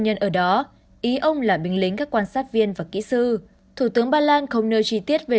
nhân ở đó ý ông là binh lính các quan sát viên và kỹ sư thủ tướng ba lan không nêu chi tiết về